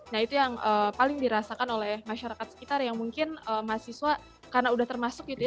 nah itu yang paling dirasakan oleh masyarakat sekitar yang mungkin mahasiswa karena udah termasuk gitu ya